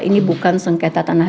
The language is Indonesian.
ini bukan sengketa tanah